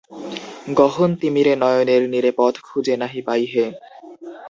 গহন তিমিরে নয়নের নীরে পথ খুঁজে নাহি পাই হে।